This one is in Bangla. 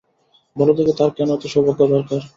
বলো দেখি, তার কেন এত সৌভাগ্য দরকার।